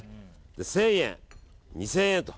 １０００円、２０００円と。